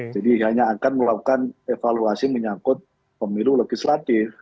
hanya akan melakukan evaluasi menyangkut pemilu legislatif